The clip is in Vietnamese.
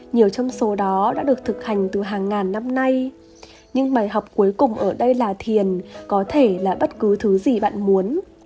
nhiều trong số đó đã được thực hành từ hàng ngàn năm nay nhưng bài học cuối cùng ở đây là thiền có thể là bất cứ thứ gì bạn muốn